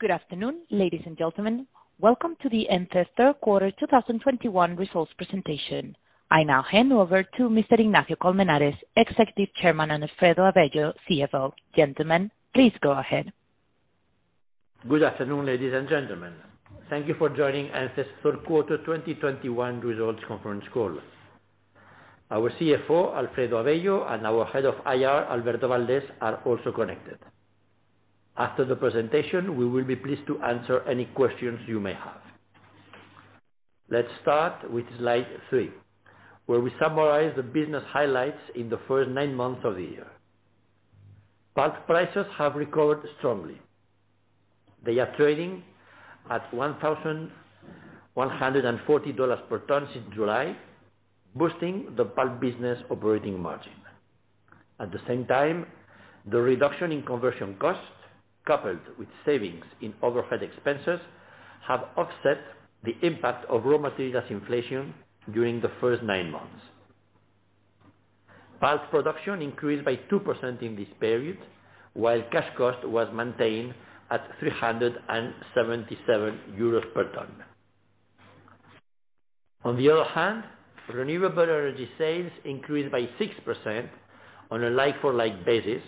Good afternoon, ladies and gentlemen. Welcome to ENCE's third quarter 2021 results presentation. I now hand over to Mr. Ignacio de Colmenares, Executive Chairman, and Alfredo Avello, CFO. Gentlemen, please go ahead. Good afternoon, ladies and gentlemen. Thank you for joining ENCE's third quarter 2021 results conference call. Our CFO, Alfredo Avello, and our Head of IR, Alberto Valdés, are also connected. After the presentation, we will be pleased to answer any questions you may have. Let's start with slide three, where we summarize the business highlights in the first nine months of the year. Pulp prices have recovered strongly. They are trading at $1,140 per ton since July, boosting the pulp business operating margin. At the same time, the reduction in conversion costs, coupled with savings in overhead expenses, have offset the impact of raw materials inflation during the first nine months. Pulp production increased by 2% in this period, while cash cost was maintained at 377 euros per ton. On the other hand, renewable energy sales increased by 6% on a like-for-like basis,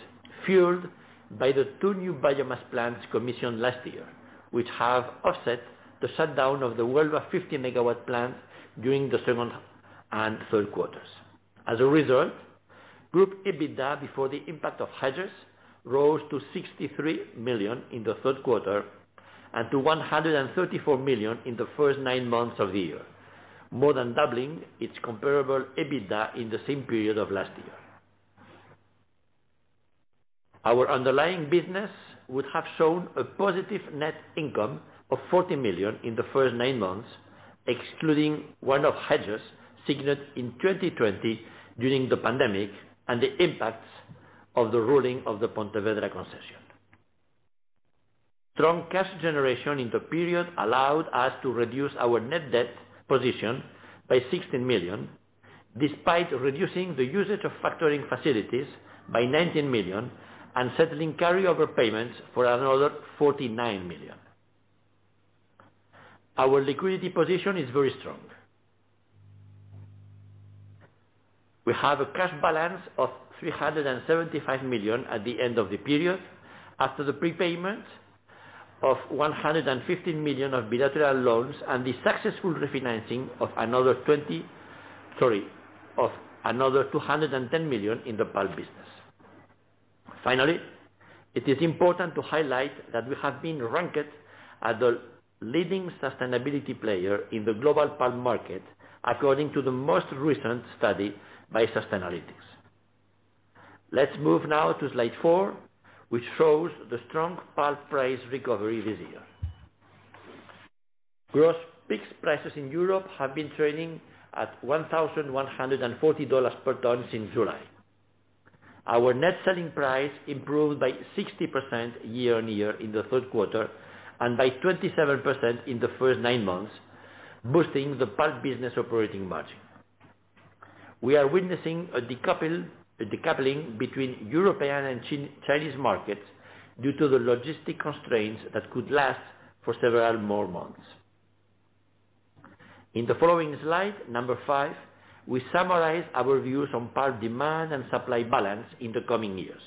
fueled by the two new biomass plants commissioned last year, which have offset the shutdown of the Huelva 50 MW plant during the second and third quarters. As a result, group EBITDA, before the impact of hedges, rose to 63 million in the third quarter and to 134 million in the first nine months of the year, more than doubling its comparable EBITDA in the same period of last year. Our underlying business would have shown a positive net income of 40 million in the first nine months, excluding one-off hedges signed in 2020 during the pandemic and the impacts of the ruling of the Pontevedra concession. Strong cash generation in the period allowed us to reduce our net debt position by 16 million, despite reducing the usage of factoring facilities by 19 million and settling carryover payments for another 49 million. Our liquidity position is very strong. We have a cash balance of 375 million at the end of the period after the prepayment of 150 million of bilateral loans and the successful refinancing of another 210 million in the pulp business. Finally, it is important to highlight that we have been ranked as a leading sustainability player in the global pulp market, according to the most recent study by Sustainalytics. Let's move now to slide four, which shows the strong pulp price recovery this year. Gross fixed prices in Europe have been trading at $1,140 per ton since July. Our net selling price improved by 60% year-on-year in the third quarter and by 27% in the first nine months, boosting the Pulp business operating margin. We are witnessing a decoupling between European and Chinese markets due to the logistic constraints that could last for several more months. In the following slide, number five, we summarize our views on pulp demand and supply balance in the coming years.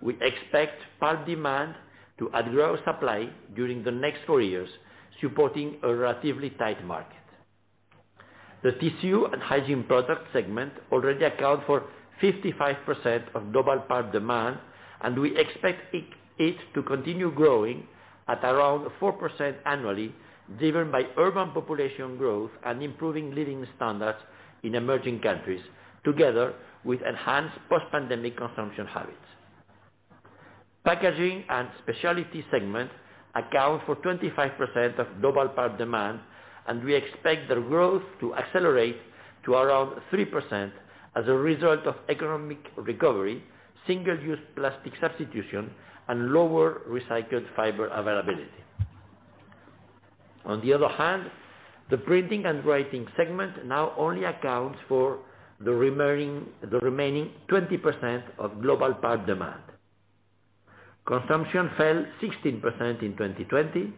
We expect pulp demand to outgrow supply during the next four years, supporting a relatively tight market. The tissue and hygiene product segment already account for 55% of global pulp demand, and we expect it to continue growing at around 4% annually, driven by urban population growth and improving living standards in emerging countries, together with enhanced post-pandemic consumption habits. Packaging and specialty segment account for 25% of global pulp demand, and we expect their growth to accelerate to around 3% as a result of economic recovery, single-use plastic substitution, and lower recycled fiber availability. On the other hand, the printing and writing segment now only accounts for the remaining 20% of global pulp demand. Consumption fell 16% in 2020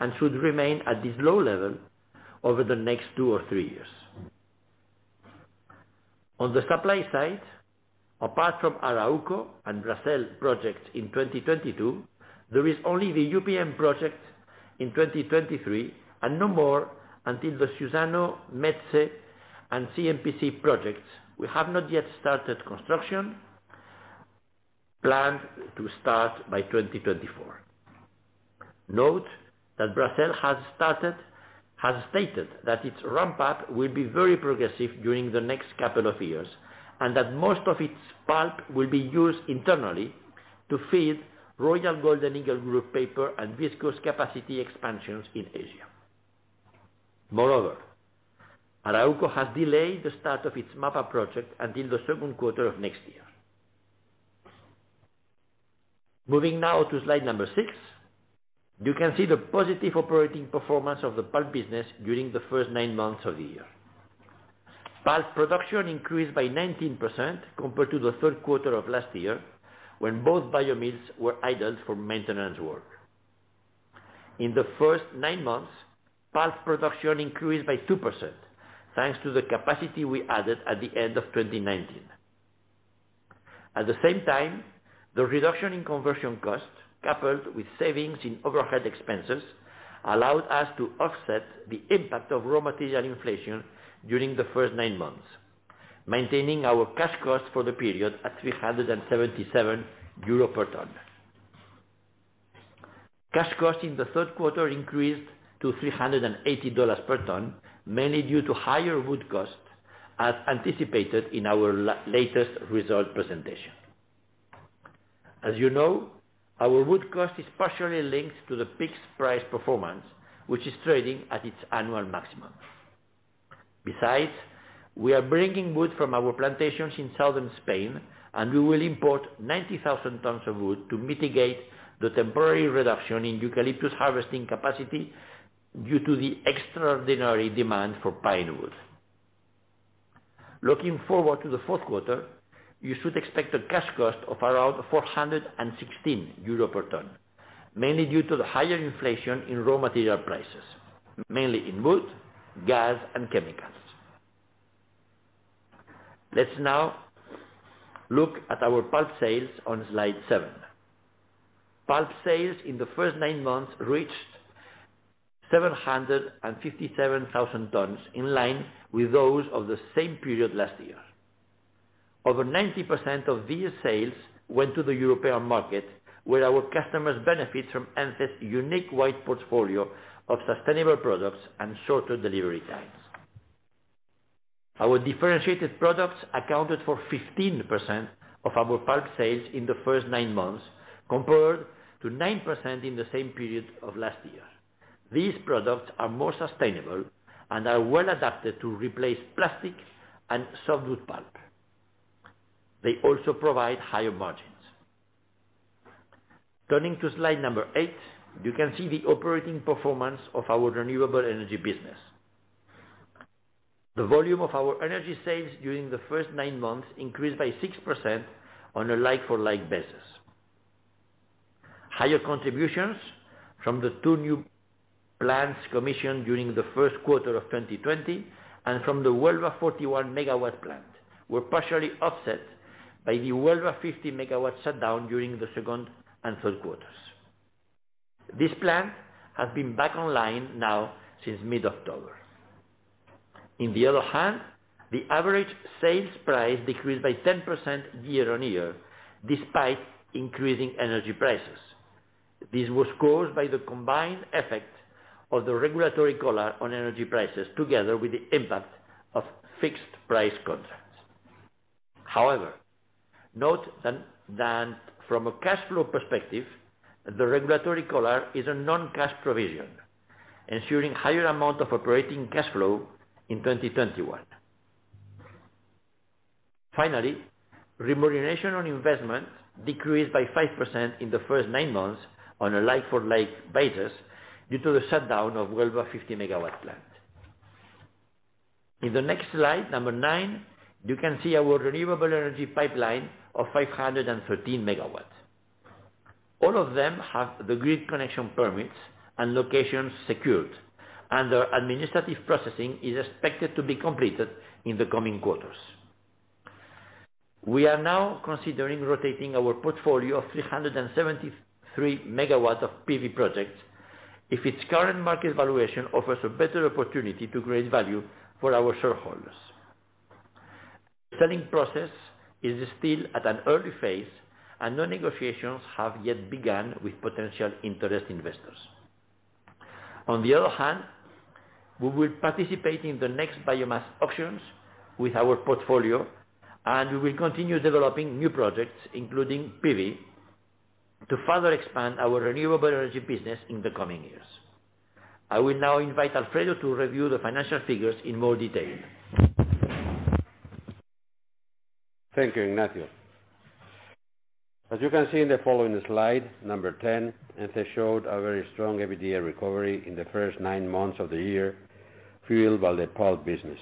and should remain at this low level over the next two or three years. On the supply side, apart from Arauco and Bracell projects in 2022, there is only the UPM project in 2023 and no more until the Suzano, Metsä, and CMPC projects, who have not yet started construction, planned to start by 2024. Note that Bracell, has stated that its ramp up will be very progressive during the next couple of years, and that most of its pulp will be used internally to feed Royal Golden Eagle Group paper and viscose capacity expansions in Asia. Moreover, Arauco has delayed the start of its MAPA project until the second quarter of next year. Moving now to slide number six, you can see the positive operating performance of the pulp business during the first nine months of the year. Pulp production increased by 19% compared to the third quarter of last year when both biomills were idle for maintenance work. In the first nine months, pulp production increased by 2% thanks to the capacity we added at the end of 2019. At the same time, the reduction in conversion costs, coupled with savings in overhead expenses, allowed us to offset the impact of raw material inflation during the first nine months, maintaining our cash costs for the period at 377 euro per ton. Cash cost in the third quarter increased to $380 per ton, mainly due to higher wood costs as anticipated in our latest result presentation. As you know, our wood cost is partially linked to the pulp price performance, which is trading at its annual maximum. Besides, we are bringing wood from our plantations in southern Spain, and we will import 90,000 tons of wood to mitigate the temporary reduction in eucalyptus harvesting capacity due to the extraordinary demand for pine wood. Looking forward to the fourth quarter, you should expect a cash cost of around 416 euro per ton, mainly due to the higher inflation in raw material prices, mainly in wood, gas, and chemicals. Let's now look at our pulp sales on slide seven. Pulp sales in the first nine months reached 757,000 tons, in line with those of the same period last year. Over 90% of these sales went to the European market, where our customers benefit from ENCE's unique wide portfolio of sustainable products and shorter delivery times. Our differentiated products accounted for 15% of our pulp sales in the first nine months compared to 9% in the same period of last year. These products are more sustainable and are well adapted to replace plastic and softwood pulp. They also provide higher margins. Turning to slide number eight, you can see the operating performance of our renewable energy business. The volume of our energy sales during the first nine months increased by 6% on a like-for-like basis. Higher contributions from the two new plants commissioned during the first quarter of 2020 and from the Huelva 41 MW plant were partially offset by the Huelva 50 MW shutdown during the second and third quarters. This plant has been back online now since mid-October. On the other hand, the average sales price decreased by 10% year-on-year despite increasing energy prices. This was caused by the combined effect of the regulatory collar on energy prices together with the impact of fixed price contracts. However, note that from a cash flow perspective, the regulatory collar is a non-cash provision, ensuring higher amount of operating cash flow in 2021. Finally, remuneration on investment decreased by 5% in the first nine months on a like-for-like basis due to the shutdown of Huelva 50 MW plant. In the next slide, number nine, you can see our renewable energy pipeline of 513 MW. All of them have the grid connection permits and locations secured. Their administrative processing is expected to be completed in the coming quarters. We are now considering rotating our portfolio of 373 MW of PV projects if its current market valuation offers a better opportunity to create value for our shareholders. Selling process is still at an early phase, and no negotiations have yet begun with potential interested investors. On the other hand, we will participate in the next biomass auctions with our portfolio, and we will continue developing new projects, including PV, to further expand our renewable energy business in the coming years. I will now invite Alfredo, to review the financial figures in more detail. Thank you, Ignacio. As you can see in the following slide number 10, ENCE showed a very strong EBITDA recovery in the first nine months of the year, fueled by the pulp business.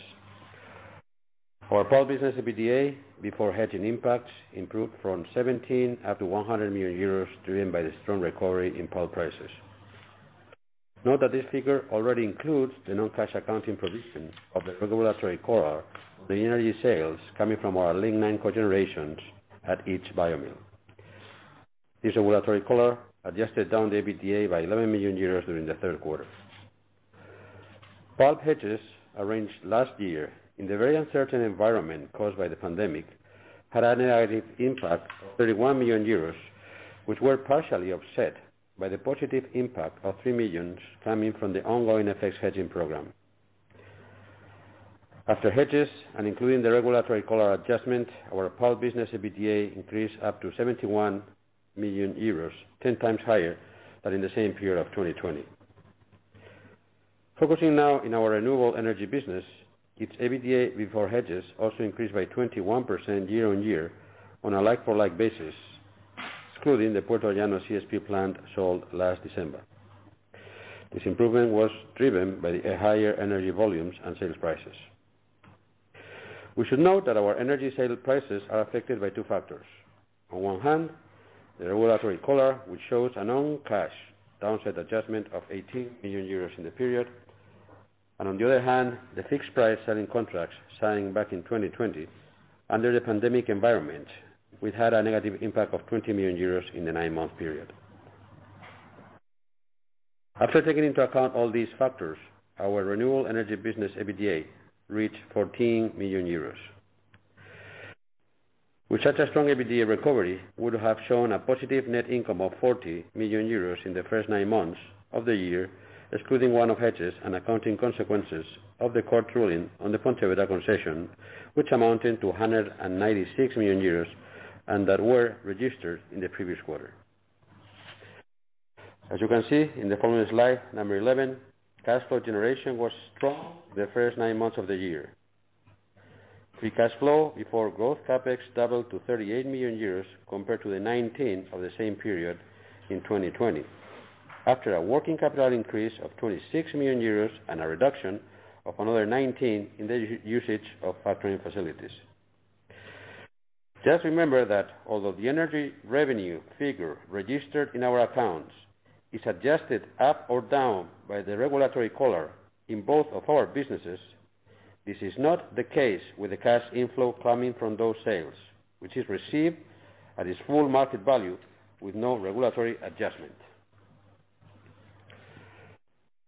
Our pulp business EBITDA, before hedging impacts, improved from 17 million up to 100 million euros driven by the strong recovery in pulp prices. Note that this figure already includes the non-cash accounting provision of the regulatory collar, the energy sales coming from our lignin cogeneration at each biomill. This regulatory collar adjusted down the EBITDA by 11 million euros during the third quarter. Pulp hedges arranged last year in the very uncertain environment caused by the pandemic had a negative impact of 31 million euros, which were partially offset by the positive impact of 3 million coming from the ongoing FX hedging program. After hedges and including the regulatory collar adjustment, our pulp business EBITDA increased up to 71 million euros, 10 times higher than in the same period of 2020. Focusing now on our renewable energy business, its EBITDA before hedges also increased by 21% year-over-year on a like-for-like basis, excluding the Puertollano CSP plant sold last December. This improvement was driven by the higher energy volumes and sales prices. We should note that our energy sale prices are affected by two factors. On one hand, the regulatory collar, which shows a non-cash downside adjustment of 80 million euros in the period. On the other hand, the fixed price selling contracts signed back in 2020 under the pandemic environment, which had a negative impact of 20 million euros in the nine month period. After taking into account all these factors, our renewable energy business EBITDA reached 14 million euros. With such a strong EBITDA recovery, we would have shown a positive net income of 40 million euros in the first nine months of the year, excluding one-off hedges and accounting consequences of the court ruling on the Pontevedra concession, which amounted to 196 million euros and that were registered in the previous quarter. As you can see in the following slide 11, cash flow generation was strong in the first nine months of the year. Free cash flow before growth CapEx doubled to 38 million euros compared to the 19 million of the same period in 2020. After a working capital increase of 26 million euros and a reduction of another 19 in the usage of factoring facilities. Just remember that although the energy revenue figure registered in our accounts is adjusted up or down by the regulatory collar in both of our businesses, this is not the case with the cash inflow coming from those sales, which is received at its full market value with no regulatory adjustment.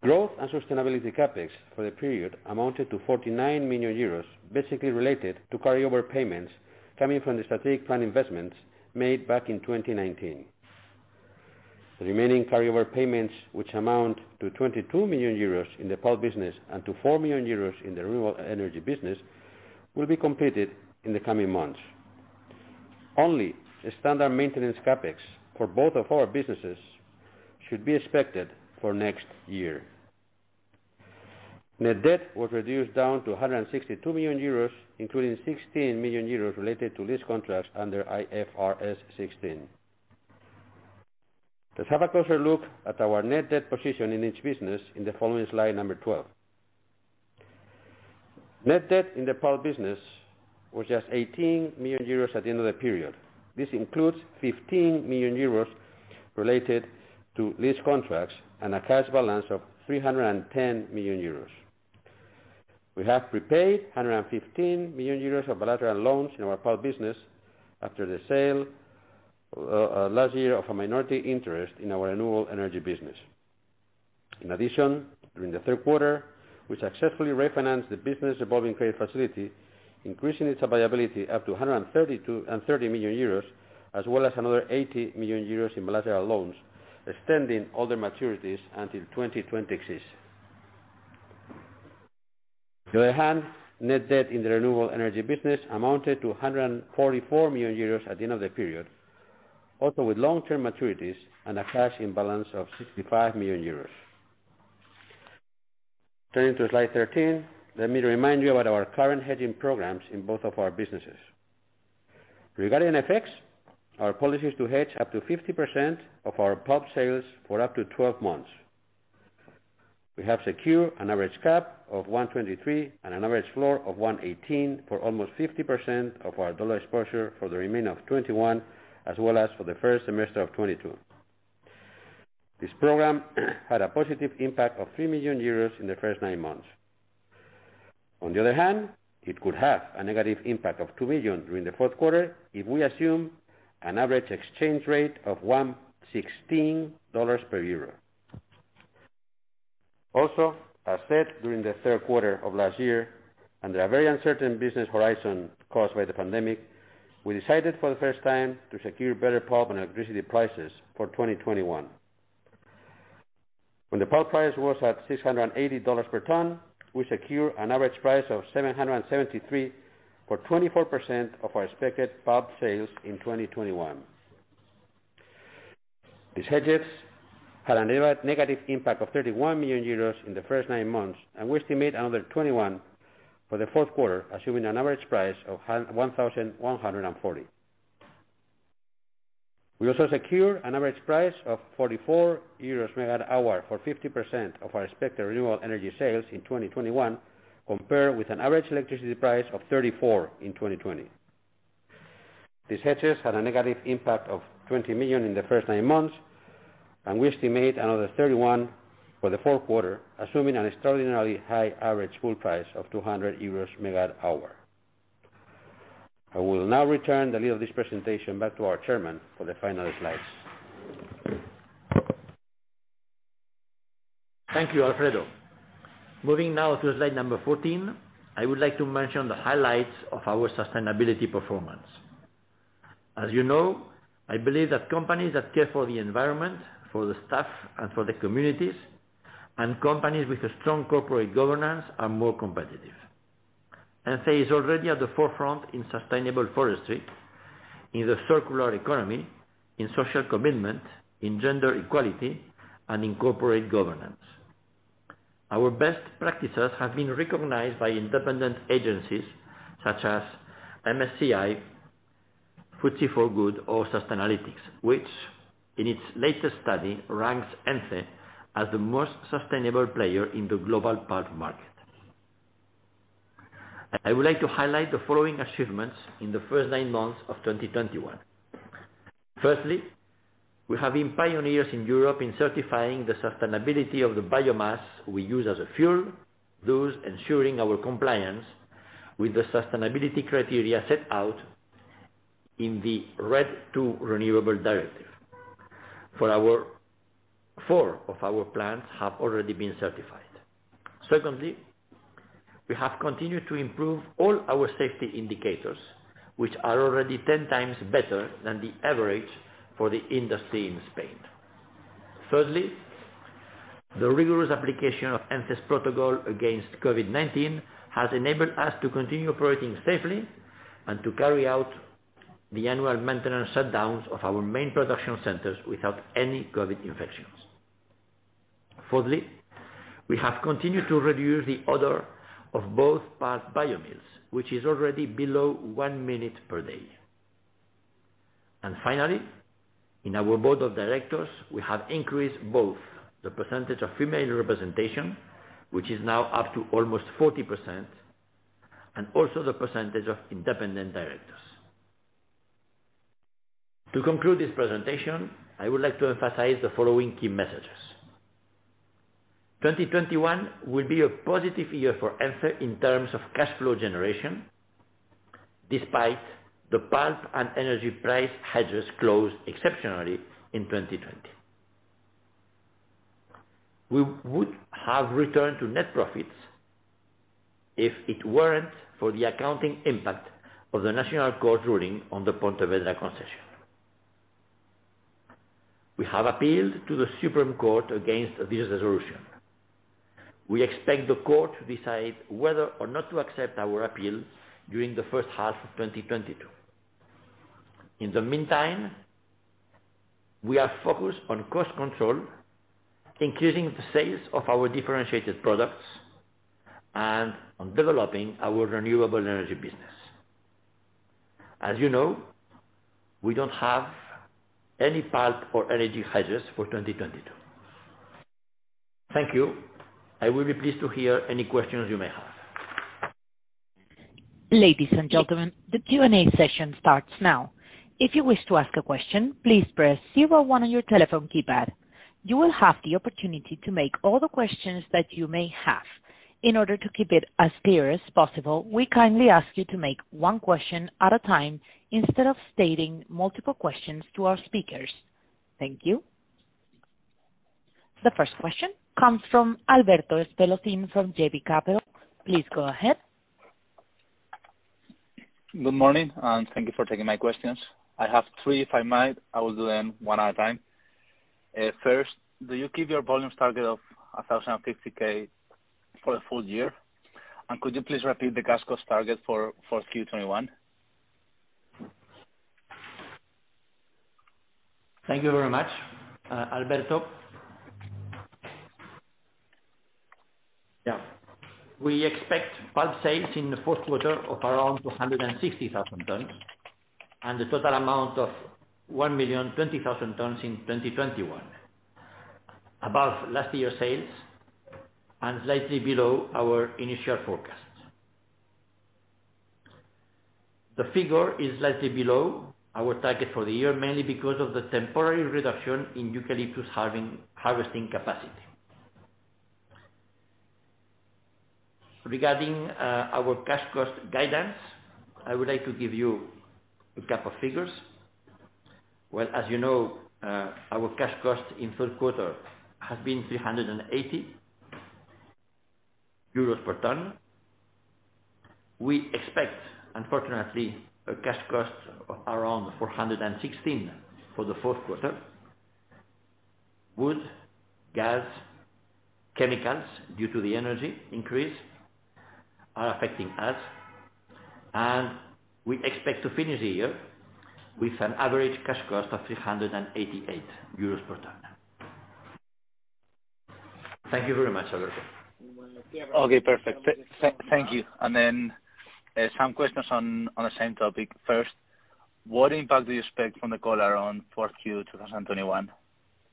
Growth and sustainability CapEx for the period amounted to 49 million euros, basically related to carryover payments coming from the strategic plan investments made back in 2019. The remaining carryover payments, which amount to 22 million euros in the pulp business and to 4 million euros in the renewable energy business, will be completed in the coming months. Only the standard maintenance CapEx for both of our businesses should be expected for next year. Net debt was reduced down to 162 million euros, including 16 million euros related to lease contracts under IFRS 16. Let's have a closer look at our net debt position in each business in the following slide 12. Net debt in the Pulp business was just 18 million euros at the end of the period. This includes 15 million euros related to lease contracts and a cash balance of 310 million euros. We have prepaid 115 million euros of bilateral loans in our Pulp business after the sale last year of a minority interest in our renewable energy business. In addition, during the third quarter, we successfully refinanced the business revolving credit facility, increasing its availability up to 130 million euros, as well as another 80 million euros in bilateral loans, extending all the maturities until 2026. On the other hand, net debt in the renewable energy business amounted to 144 million euros at the end of the period, also with long-term maturities and a cash imbalance of 65 million euros. Turning to slide 13, let me remind you about our current hedging programs in both of our businesses. Regarding FX, our policy is to hedge up to 50% of our pulp sales for up to 12 months. We have secured an average cap of 1.23 and an average floor of 1.18 for almost 50% of our dollar exposure for the remainder of 2021 as well as for the first semester of 2022. This program had a positive impact of 3 million euros in the first nine months. On the other hand, it could have a negative impact of 2 million during the fourth quarter if we assume an average exchange rate of $1.16 per euro. Also, as said during the third quarter of last year, under a very uncertain business horizon caused by the pandemic, we decided for the first time to secure better pulp and electricity prices for 2021. When the pulp price was at $680 per ton, we secured an average price of $773 for 24% of our expected pulp sales in 2021. These hedges had a negative impact of 31 million euros in the first nine months, and we estimate another 21 for the fourth quarter, assuming an average price of $1,140. We also secured an average price of 44 euros MWh for 50% of our expected renewable energy sales in 2021, compared with an average electricity price of 34 MWh in 2020. These hedges had a negative impact of 20 million in the first nine months, and we estimate another 31 million for the fourth quarter, assuming an extraordinarily high average pool price of 200 euros MWh. I will now return the lead of this presentation back to our chairman for the final slides. Thank you, Alfredo. Moving now to slide number 14, I would like to mention the highlights of our sustainability performance. As you know, I believe that companies that care for the environment, for the staff, and for the communities, and companies with a strong corporate governance are more competitive. ENCE, is already at the forefront in sustainable forestry, in the circular economy, in social commitment, in gender equality, and in corporate governance. Our best practices have been recognized by independent agencies such as MSCI, FTSE4Good or Sustainalytics, which in its latest study ranks ENCE as the most sustainable player in the global pulp market. I would like to highlight the following achievements in the first nine months of 2021. Firstly, we have been pioneers in Europe in certifying the sustainability of the biomass we use as a fuel, thus ensuring our compliance with the sustainability criteria set out in the RED II Renewable Energy Directive. Four of our plants have already been certified. Secondly, we have continued to improve all our safety indicators, which are already 10 times better than the average for the industry in Spain. Thirdly, the rigorous application of ENCE's protocol against COVID-19 has enabled us to continue operating safely and to carry out the annual maintenance shutdowns of our main production centers without any COVID infections. Fourthly, we have continued to reduce the odor of both pulp biomills, which is already below one minute per day. Finally, in our board of directors, we have increased both the percentage of female representation, which is now up to almost 40%, and also the percentage of independent directors. To conclude this presentation, I would like to emphasize the following key messages. 2021 will be a positive year for ENCE in terms of cash flow generation despite the pulp and energy price hedges closed exceptionally in 2020. We would have returned to net profits if it weren't for the accounting impact of the National Court ruling on the Pontevedra concession. We have appealed to the Supreme Court against this resolution. We expect the court to decide whether or not to accept our appeal during the first half of 2022. In the meantime, we are focused on cost control, increasing the sales of our differentiated products and on developing our renewable energy business. As you know, we don't have any pulp or energy hedges for 2022. Thank you. I will be pleased to hear any questions you may have. Ladies and gentlemen, the Q&A session starts now. If you wish to ask a question, please press zero one on your telephone keypad. You will have the opportunity to make all the questions that you may have. In order to keep it as clear as possible, we kindly ask you to make one question at a time instead of stating multiple questions to our speakers. Thank you. The first question comes from Alberto Espelosín from JB Capital. Please go ahead. Good morning, and thank you for taking my questions. I have three, if I might. I will do them one at a time. First, do you keep your volume target of 1,050 K for the full year? Could you please repeat the cash cost target for Q 2021? Thank you very much, Alberto. Yeah. We expect pulp sales in the fourth quarter of around 260,000 tons, and a total amount of 1,020,000 tons in 2021, above last year's sales and slightly below our initial forecast. The figure is slightly below our target for the year, mainly because of the temporary reduction in eucalyptus harvesting capacity. Regarding our cash cost guidance, I would like to give you a couple figures. Well, as you know, our cash cost in third quarter has been 380 euros per ton. We expect, unfortunately, a cash cost around 416 for the fourth quarter. Wood, gas, chemicals due to the energy increase are affecting us, and we expect to finish the year with an average cash cost of 388 euros per ton. Thank you very much, Alberto. Okay, perfect. Thank you. Some questions on the same topic. First, what impact do you expect from the collar on 4Q 2021?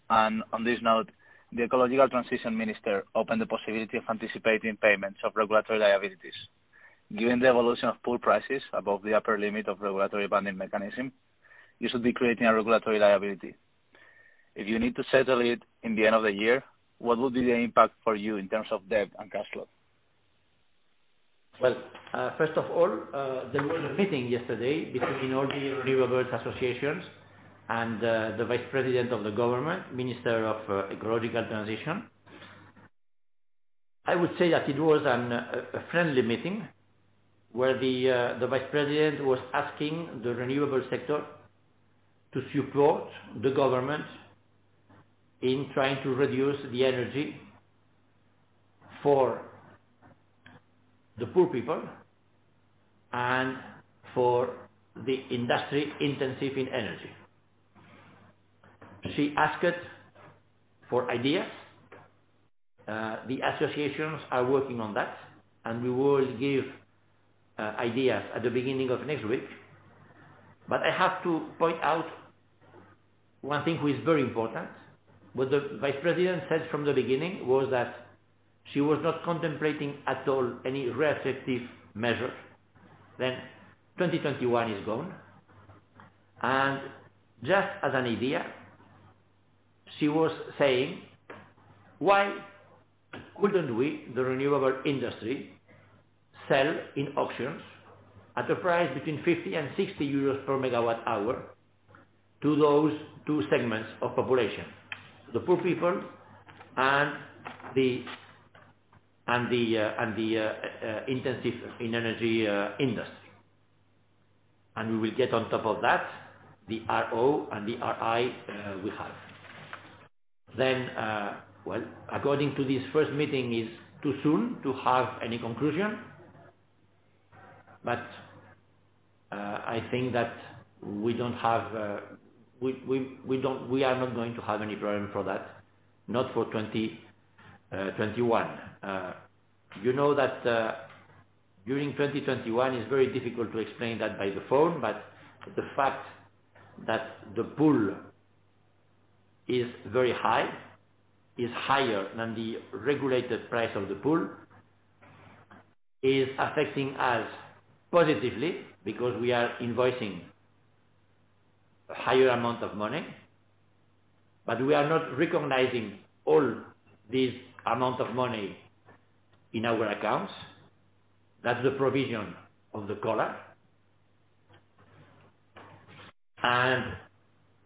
On this note, the Ecological Transition Minister opened the possibility of anticipating payments of regulatory liabilities. Given the evolution of pulp prices above the upper limit of regulatory binding mechanism, you should be creating a regulatory liability. If you need to settle it at the end of the year, what would be the impact for you in terms of debt and cash flow? Well, first of all, there was a meeting yesterday between all the renewable associations and the Vice President of the Government, Minister of the Ecological Transition. I would say that it was a friendly meeting, where the Vice President was asking the renewable sector to support the government in trying to reduce the energy for the poor people and for the energy-intensive industry. She asked for ideas. The associations are working on that, and we will give ideas at the beginning of next week. But I have to point out one thing which is very important. What the Vice President said from the beginning was that she was not contemplating at all any [retroactive] measure. Then 2021 is gone. Just as an idea, she was saying, why couldn't we, the renewable industry, sell in auctions at a price between 50 and 60 euros per MWh to those two segments of population, the poor people and the energy-intensive industry? We will get on top of that, the RO and the RI we have. According to this first meeting, it is too soon to have any conclusion. I think that we are not going to have any problem for that, not for 2021. You know that, during 2021, it's very difficult to explain that by the phone, but the fact that the pool is very high, higher than the regulated price of the pool, is affecting us positively because we are invoicing a higher amount of money. We are not recognizing all this amount of money in our accounts. That's the provision of the collar.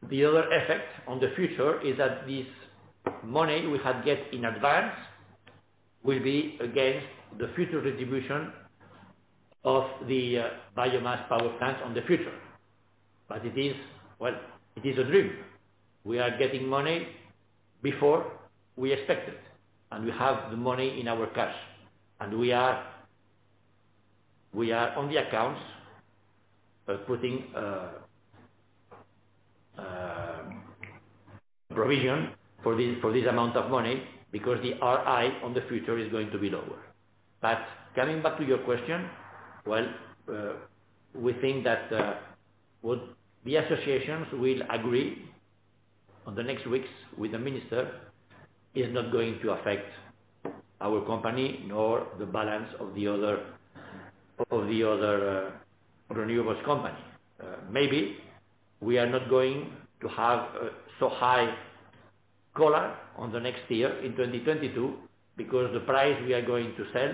The other effects on the future is that this money we have get in advance will be against the future distribution of the biomass power plant on the future. It is, well, it is a dream. We are getting money before we expect it, and we have the money in our cash. We are on the accounts as putting provision for this amount of money because the RI in the future is going to be lower. Coming back to your question, well, we think that what the associations will agree in the next weeks with the minister is not going to affect our company nor the balance of the other renewables company. Maybe we are not going to have so high collar in the next year in 2022 because the price we are going to sell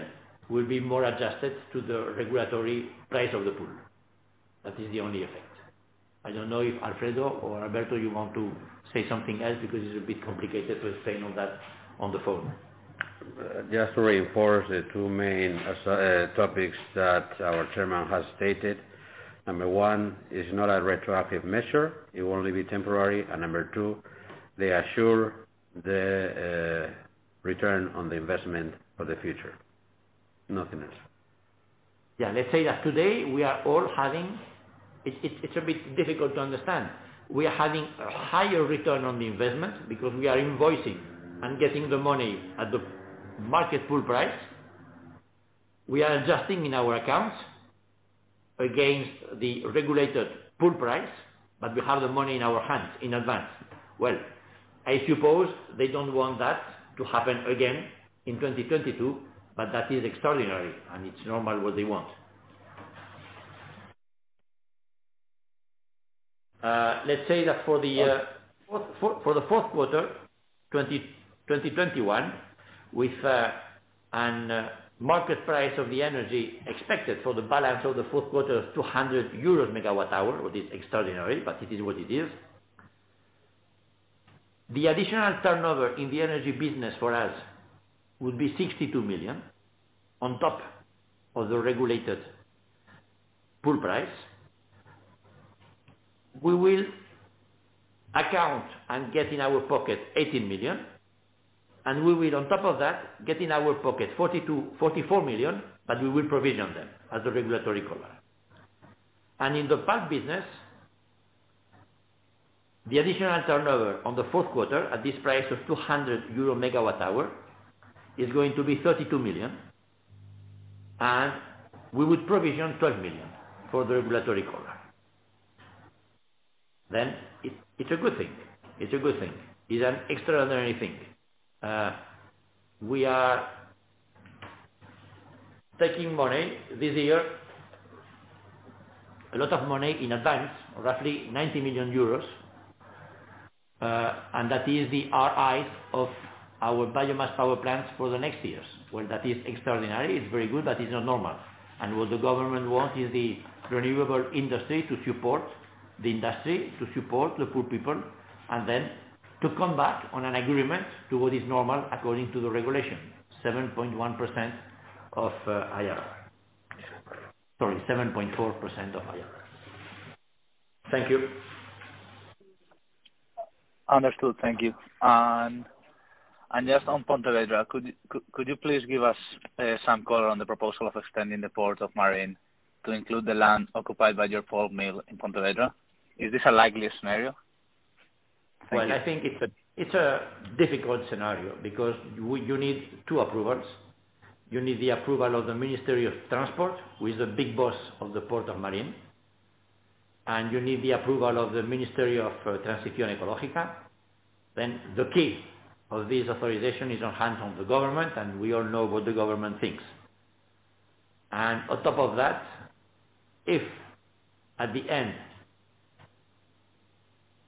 will be more adjusted to the regulatory price of the pool. That is the only effect. I don't know if Alfredo or Alberto you want to say something else because it's a bit complicated to explain all that on the phone. Just to reinforce the two main topics that our chairman has stated. Number one is not a retroactive measure. It will only be temporary. Number two, they assure the return on the investment for the future. Nothing else. Yeah. Let's say that today we are all having. It's a bit difficult to understand. We are having a higher return on the investment because we are invoicing and getting the money at the market pool price. We are adjusting in our accounts against the regulated pool price, but we have the money in our hands in advance. Well, I suppose they don't want that to happen again in 2022, but that is extraordinary, and it's normal what they want. Let's say that for the fourth quarter 2021 with a market price of the energy expected for the balance of the fourth quarter of 200 euros MWh, which is extraordinary, but it is what it is. The additional turnover in the energy business for us would be 62 million on top of the regulated pool price. We will account and get in our pocket 18 million, and we will on top of that get in our pocket 42 million, 44 million, but we will provision them as a regulatory collar. In the pulp business, the additional turnover on the fourth quarter at this price of 200 euro MWh is going to be 32 million, and we would provision 12 million for the regulatory collar. It's a good thing. It's an extraordinary thing. We are taking money this year, a lot of money in advance, roughly 90 million euros, and that is the RI of our biomass power plants for the next years. Well, that is extraordinary. It's very good, but it's not normal. What the government wants is the renewable industry to support the industry, to support the poor people, and then to come back on an agreement to what is normal according to the regulation, 7.1% IRR. Sorry, 7.4% IRR. Thank you. Understood. Thank you. Just on Pontevedra, could you please give us some color on the proposal of extending the Port of Marín to include the land occupied by your pulp mill in Pontevedra? Is this a likely scenario? Well, I think it's a difficult scenario because you need two approvals. You need the approval of the Ministry of Transport, who is the big boss of the Port of Marín, and you need the approval of the Ministry of Transición Ecológica. Then the key of this authorization is on hand of the government, and we all know what the government thinks. On top of that, if at the end,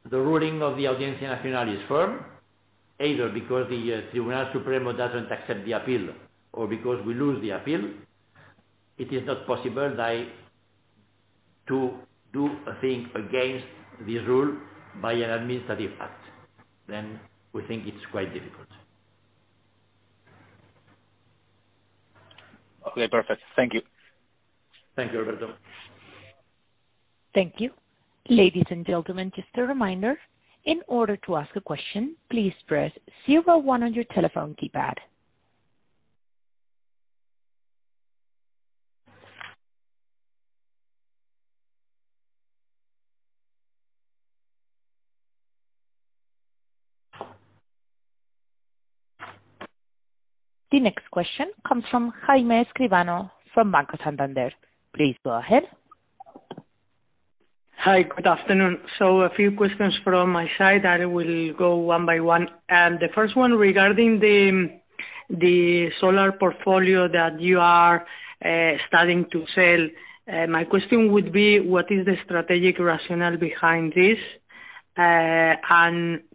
the ruling of the Audiencia Nacional is firm, either because the Tribunal Supremo doesn't accept the appeal or because we lose the appeal, it is not possible to do a thing against this rule by an administrative act, then we think it's quite difficult. Okay, perfect. Thank you. Thank you, Alberto. Thank you. Ladies and gentlemen, just a reminder. In order to ask a question, please press zero one on your telephone keypad. The next question comes from Jaime Escribano from Banco Santander. Please go ahead. Hi, good afternoon. A few questions from my side. I will go one by one. The first one regarding the solar portfolio that you are starting to sell. My question would be, what is the strategic rationale behind this?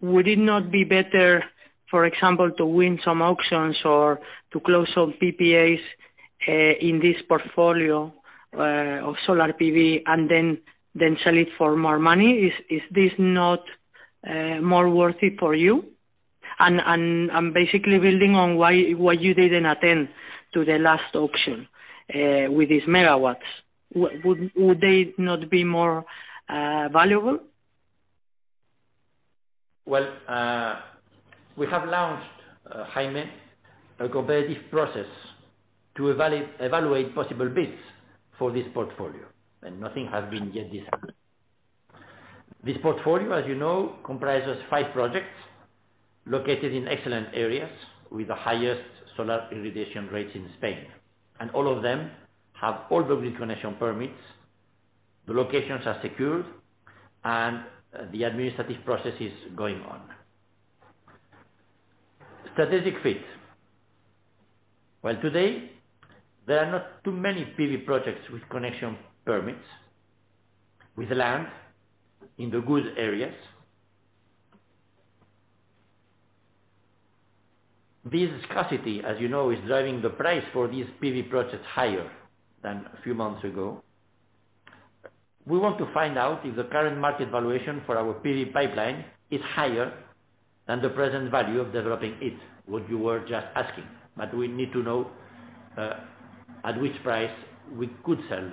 Would it not be better, for example, to win some auctions or to close some PPAs in this portfolio of solar PV and then sell it for more money? Is this not more worthy for you? Basically building on why you didn't attend to the last auction with these megawatts. Would they not be more valuable? Well, we have launched, Jaime, a competitive process to evaluate possible bids for this portfolio, and nothing has been yet decided. This portfolio, as you know, comprises five projects located in excellent areas with the highest solar irradiation rates in Spain, and all of them have all the grid connection permits. The locations are secured, and the administrative process is going on. Strategic fit. Well, today, there are not too many PV projects with connection permits, with land in the good areas. This scarcity, as you know, is driving the price for these PV projects higher than a few months ago. We want to find out if the current market valuation for our PV pipeline is higher than the present value of developing it, what you were just asking. But we need to know, at which price we could sell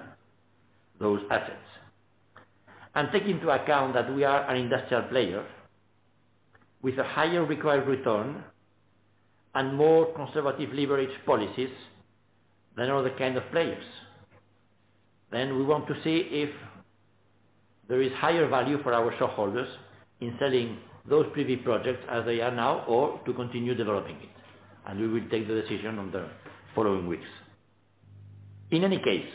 those assets. Take into account that we are an industrial player with a higher required return and more conservative leverage policies than other kind of players. We want to see if there is higher value for our shareholders in selling those PV projects as they are now, or to continue developing it, and we will take the decision on the following weeks. In any case,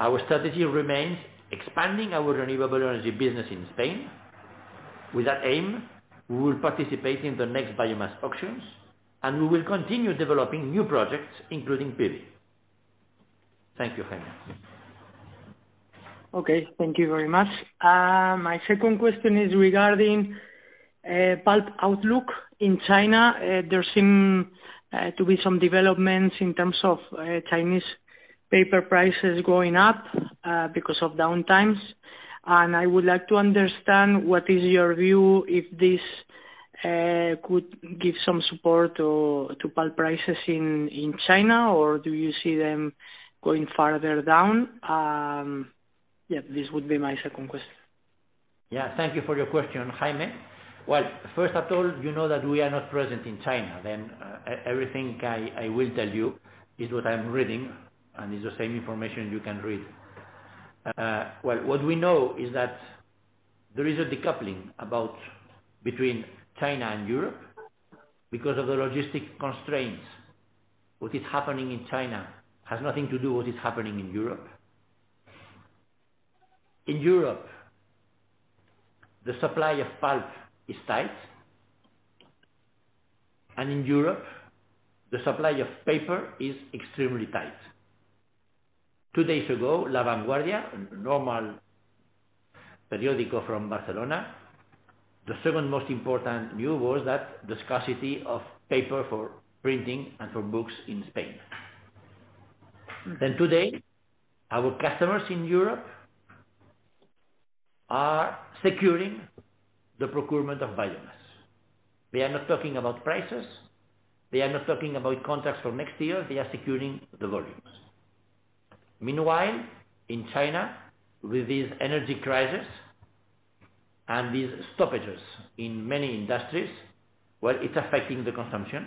our strategy remains expanding our renewable energy business in Spain. With that aim, we will participate in the next biomass auctions, and we will continue developing new projects, including PV. Thank you, Jaime. Okay, thank you very much. My second question is regarding pulp outlook in China. There seem to be some developments in terms of Chinese paper prices going up because of downtimes. I would like to understand what is your view, if this could give some support to pulp prices in China, or do you see them going farther down? Yeah, this would be my second question. Yeah, thank you for your question, Jaime. Well, first of all, you know that we are not present in China. Everything I will tell you is what I'm reading, and it's the same information you can read. What we know is that there is a decoupling between China and Europe because of the logistical constraints. What is happening in China has nothing to do with what is happening in Europe. In Europe, the supply of pulp is tight, and in Europe, the supply of paper is extremely tight. Two days ago, La Vanguardia, a normal periódico from Barcelona, the second most important news was that the scarcity of paper for printing and for books in Spain. Today, our customers in Europe are securing the procurement of biomass. They are not talking about prices. They are not talking about contracts for next year. They are securing the volumes. Meanwhile, in China, with this energy crisis and these stoppages in many industries, well, it's affecting the consumption.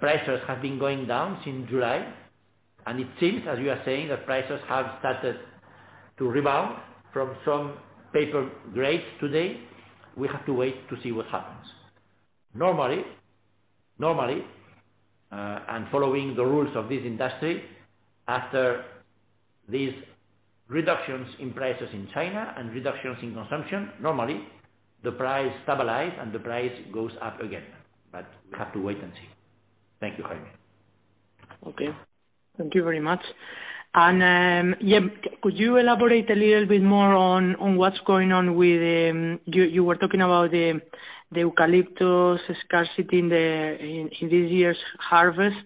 Prices have been going down since July, and it seems, as you are saying, that prices have started to rebound from some paper grades today. We have to wait to see what happens. Normally, and following the rules of this industry, after these reductions in prices in China and reductions in consumption, normally, the price stabilize and the price goes up again. We have to wait and see. Thank you, Jaime. Okay. Thank you very much. Yep, could you elaborate a little bit more on what's going on with. You were talking about the eucalyptus scarcity in this year's harvest,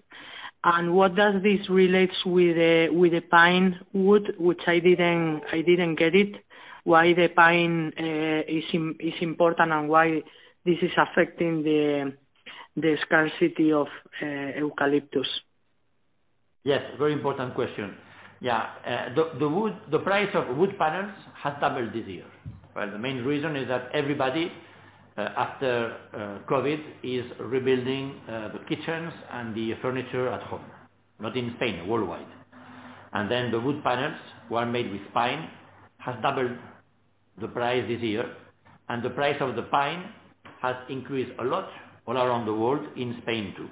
and what does this relates with the pine wood, which I didn't get it. Why the pine is important and why this is affecting the scarcity of eucalyptus? Yes, very important question. Yeah. The price of wood panels has doubled this year. Well, the main reason is that everybody after COVID is rebuilding the kitchens and the furniture at home, not in Spain, worldwide. The wood panels, who are made with pine, has doubled the price this year, and the price of the pine has increased a lot all around the world, in Spain too.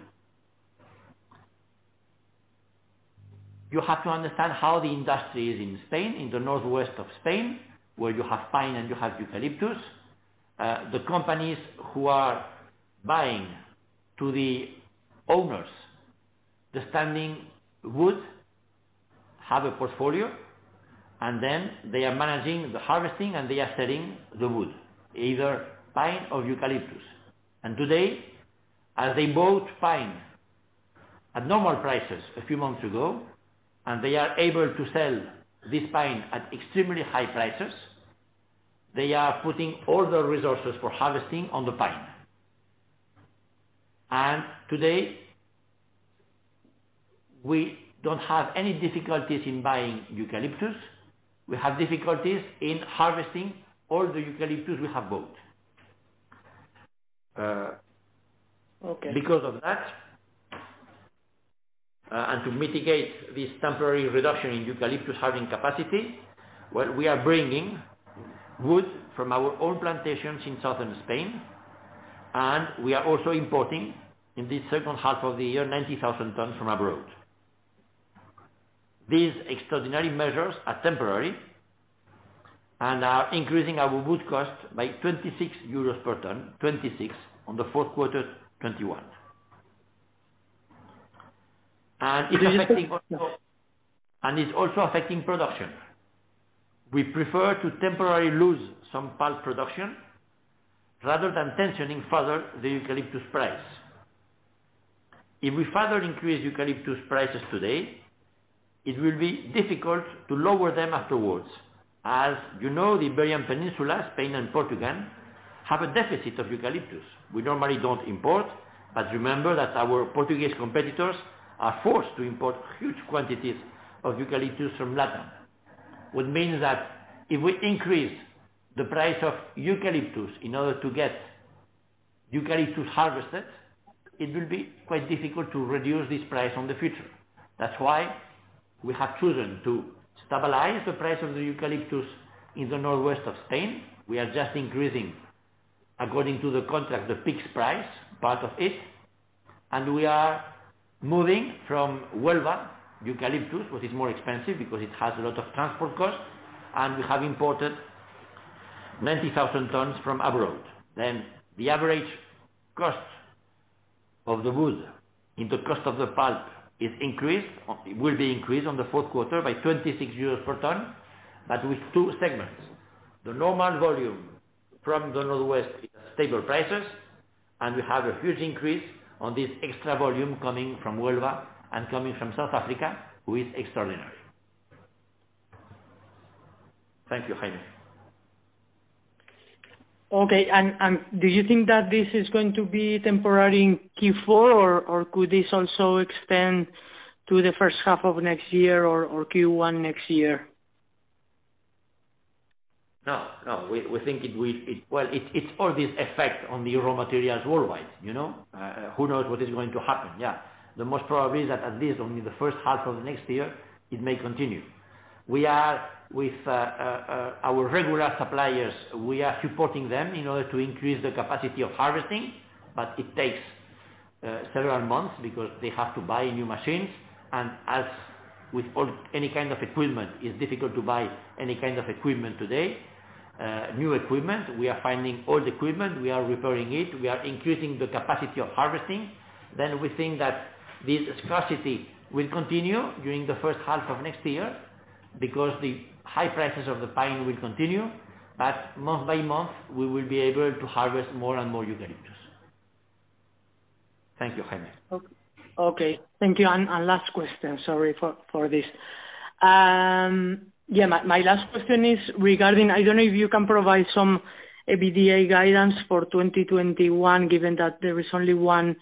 You have to understand how the industry is in Spain, in the northwest of Spain, where you have pine and you have eucalyptus. The companies who are buying to the owners, the standing wood have a portfolio, and then they are managing the harvesting and they are selling the wood, either pine or eucalyptus. Today, as they bought pine at normal prices a few months ago, and they are able to sell this pine at extremely high prices, they are putting all their resources for harvesting on the pine. Today, we don't have any difficulties in buying eucalyptus. We have difficulties in harvesting all the eucalyptus we have bought. Okay. Because of that, and to mitigate this temporary reduction in eucalyptus harvesting capacity, we are bringing wood from our own plantations in southern Spain, and we are also importing, in this second half of the year, 90,000 tons from abroad. These extraordinary measures are temporary and are increasing our wood cost by 26 euros per ton on the fourth quarter 2021. It's also affecting production. We prefer to temporarily lose some pulp production rather than tensioning further the eucalyptus price. If we further increase eucalyptus prices today, it will be difficult to lower them afterwards. As you know, the Iberian Peninsula, Spain and Portugal, have a deficit of eucalyptus. We normally don't import, but remember that our Portuguese competitors are forced to import huge quantities of eucalyptus from Latin America. That means that if we increase the price of eucalyptus in order to get eucalyptus harvested, it will be quite difficult to reduce this price in the future. That's why we have chosen to stabilize the price of the eucalyptus in the northwest of Spain. We are just increasing, according to the contract, the fixed price, part of it, and we are moving from Huelva eucalyptus, which is more expensive because it has a lot of transport costs, and we have imported 90,000 tons from abroad. The average cost of the wood in the cost of the pulp will be increased in the fourth quarter by 26 euros per ton, but with two segments. The normal volume from the northwest is stable prices, and we have a huge increase on this extra volume coming from Huelva and coming from South Africa, which is extraordinary. Thank you, Jaime. Okay. Do you think that this is going to be temporary in Q4 or could this also extend to the first half of next year or Q1 next year? No, no. We think it will. Well, it's all this effect on the raw materials worldwide, you know? Who knows what is going to happen, yeah. The most probably is that at least only the first half of next year, it may continue. We are with our regular suppliers, we are supporting them in order to increase the capacity of harvesting, but it takes several months because they have to buy new machines. As with all, any kind of equipment, it's difficult to buy any kind of equipment today, new equipment. We are finding old equipment. We are repairing it. We are increasing the capacity of harvesting. We think that this scarcity will continue during the first half of next year because the high prices of the pine will continue. Month by month, we will be able to harvest more and more eucalyptus. Thank you, Jaime. Okay. Thank you. Last question. Sorry for this. Yeah. My last question is regarding, I don't know if you can provide some EBITDA guidance for 2021, given that there is only one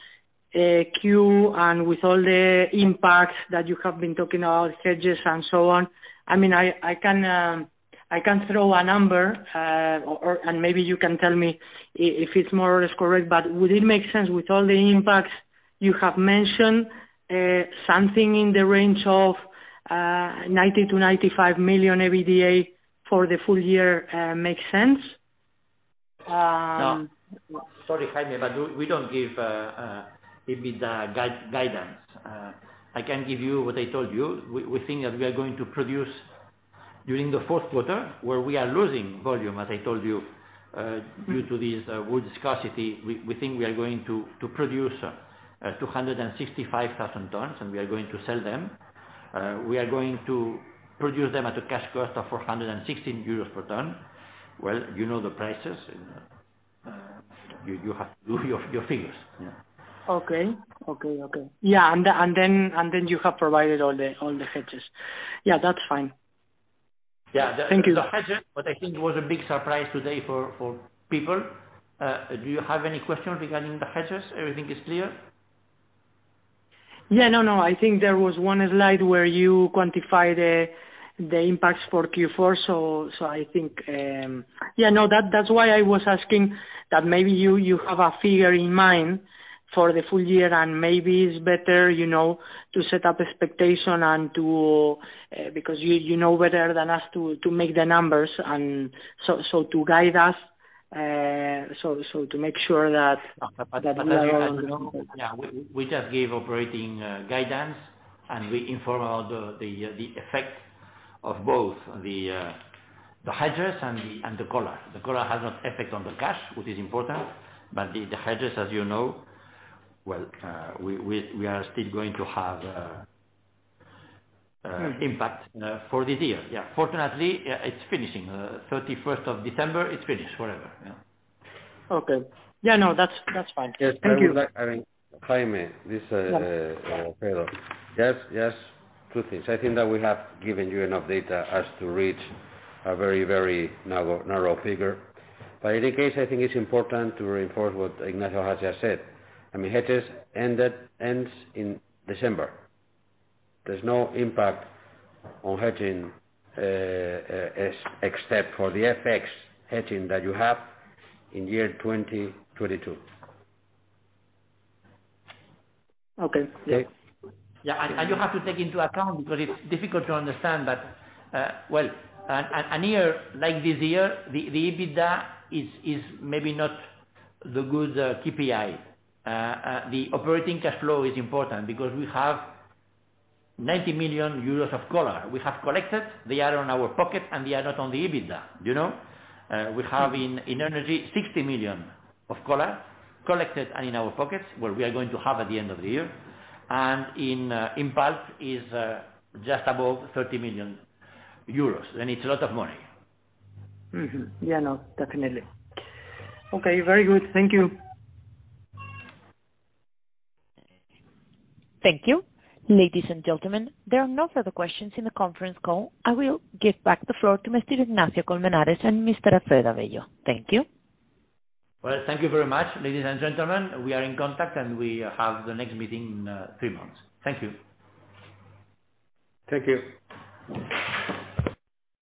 Q and with all the impacts that you have been talking about, hedges and so on. I mean, I can throw a number, or and maybe you can tell me if it's more or less correct. Would it make sense with all the impacts you have mentioned, something in the range of 90 million-95 million EBITDA for the full year, makes sense? Sorry, Jaime, but we don't give EBITDA guidance. I can give you what I told you. We think that we are going to produce during the fourth quarter, where we are losing volume, as I told you. Due to this wood scarcity, we think we are going to produce 265,000 tons, and we are going to sell them. We are going to produce them at a cash cost of 460 euros per ton. Well, you know the prices. You have to do your figures. Yeah. Okay. Yeah. You have provided all the hedges. Yeah, that's fine. Yeah. Thank you. The hedges, what I think was a big surprise today for people, do you have any questions regarding the hedges? Everything is clear? Yeah. No, no. I think there was one slide where you quantify the impacts for Q4, so I think. Yeah, no. That's why I was asking that maybe you have a figure in mind for the full year, and maybe it's better, you know, to set up expectation and to because you know better than us to make the numbers and so to guide us, so to make sure that. Yeah. We just gave operating guidance and we inform all the effect of both the hedges and the collar. The collar has no effect on the cash, which is important. The hedges, as you know, we are still going to have impact for this year. Yeah. Fortunately, it's finishing. 31st of December, it's finished. Whatever. Yeah. Okay. Yeah, no, that's fine. Thank you. Yes. I mean, Jaime, this is Alfredo. Yes, yes. Two things. I think that we have given you enough data as to reach a very narrow figure. In any case, I think it's important to reinforce what Ignacio has just said. I mean, hedges end in December. There's no impact on hedging, except for the FX hedging that you have in year 2022. Okay. Yeah. Yeah. You have to take into account, because it's difficult to understand, but a year like this year, the EBITDA is maybe not the good KPI. The operating cash flow is important because we have 90 million euros of collar. We have collected, they are in our pocket, and they are not on the EBITDA, you know? We have in energy 60 million of collar collected and in our pockets, what we are going to have at the end of the year. In Pulp is just above 30 million euros, and it's a lot of money. Yeah. No, definitely. Okay, very good. Thank you. Thank you. Ladies and gentlemen, there are no further questions in the conference call. I will give back the floor to Mr. Ignacio de Colmenares and Mr. Alfredo Avello. Thank you. Well, thank you very much, ladies and gentlemen. We are in contact, and we have the next meeting in three months. Thank you. Thank you.